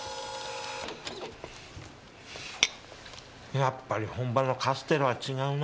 やっぱり本場のカステラは違うな！